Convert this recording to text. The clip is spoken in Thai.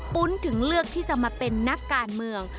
ถึงเลือกที่จะมาเป็นนักการเมือง